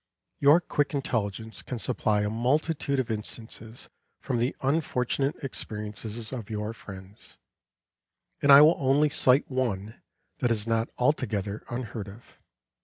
Your quick intelligence can supply a multitude of instances from the unfortunate experiences of your friends, and I will only cite one that is not altogether unheard of.